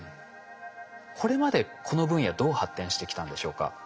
これまでこの分野どう発展してきたんでしょうか？